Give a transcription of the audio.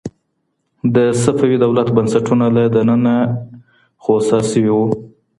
د صفوي دولت بنسټونه له دننه خوسا شوي وو.